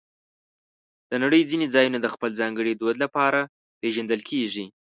د نړۍ ځینې ځایونه د خپل ځانګړي دود لپاره پېژندل کېږي.